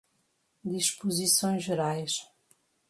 Disposições Gerais